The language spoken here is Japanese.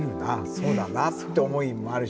そうだなって思いもあるし。